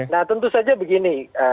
nah tentu saja begini